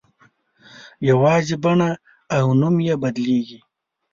یوازې بڼه او نوم یې بدلېږي.